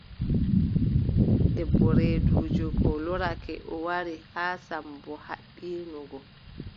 Debbo reeduujo go loorake, o wari haa Sammbo haɓɓino go.